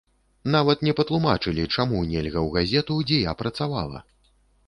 Нават не патлумачылі, чаму нельга ў газету, дзе я працавала.